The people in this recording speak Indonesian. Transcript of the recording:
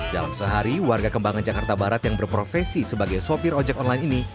dalam sehari warga kembangan jakarta barat yang berprofesi sebagai sopir ojek online ini